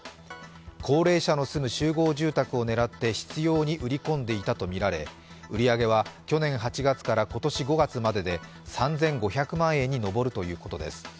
高齢者の住む集合住宅を狙って執ように売り込んでいたとみられ売り上げは去年８月から今年５月までで３５００万円に上るということです。